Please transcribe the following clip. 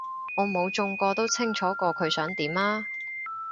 我冇中過都清楚過佢想點啊